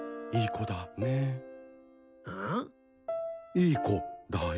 いい子だよ。